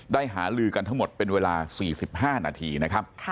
หาลือกันทั้งหมดเป็นเวลา๔๕นาทีนะครับ